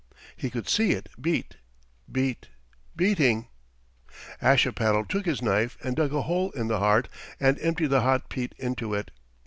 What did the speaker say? He could see it beat, beat, beating. Ashipattle took his knife and dug a hole in the heart, and emptied the hot peat into it.